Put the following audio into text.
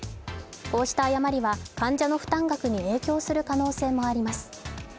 こうした誤りは、患者の負担額に影響する可能性もあります。